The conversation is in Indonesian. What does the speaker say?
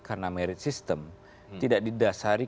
karena merit system tidak didasari